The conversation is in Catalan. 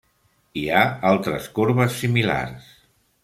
Hi ha altres corbes similars.